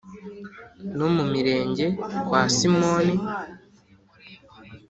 no mu mirenge kwa simoni